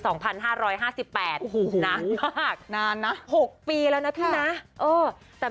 โอ้โหบ้างมากนานนะหกปีแล้วนะพี่นะ